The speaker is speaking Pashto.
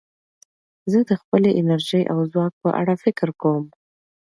زه د خپلې انرژۍ او ځواک په اړه فکر کوم.